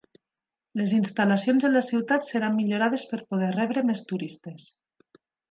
Les instal·lacions en la ciutat seran millorades per poder rebre més turistes.